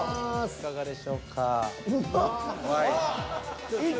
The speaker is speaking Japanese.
いかがでしょうか？